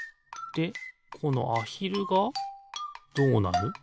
でこのアヒルがどうなる？